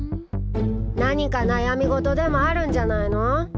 何か悩み事でもあるんじゃないの？